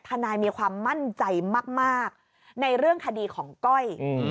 ทนายมีความมั่นใจมากในเรื่องคดีของก้อย